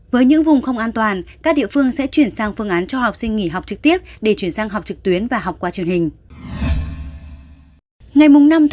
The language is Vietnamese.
với những vùng không an toàn các địa phương sẽ chuyển sang phương án cho học sinh nghỉ học trực tiếp để chuyển sang học trực tuyến và học qua truyền hình